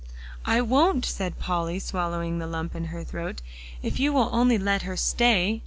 "I won't cry," said Polly, swallowing the lump in her throat, "if you will only let her stay."